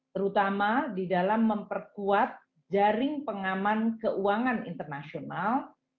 terutama di dalam memperkuat jaring pengaman keuangan internasional